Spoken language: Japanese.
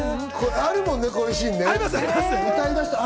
あるもんね、こういうシーンね。